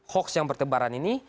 hoax yang berkebaran ini